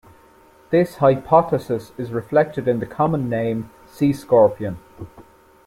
This hypothesis is reflected in the common name "sea scorpion".